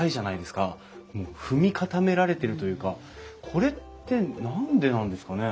もう踏み固められてるというかこれって何でなんですかね？